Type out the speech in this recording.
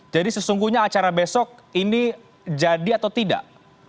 jadi sesungguhnya acara besok ini jadi atau tidak